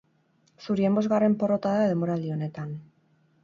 Zurien bosgarren porrota da denboraldi honetan.